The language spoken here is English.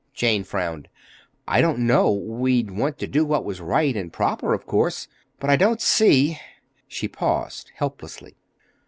Jane frowned. "I don't know. We'd want to do what was right and proper, of course. But I don't see—" She paused helplessly.